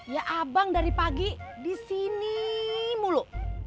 ya abang dari pagi di sini mulu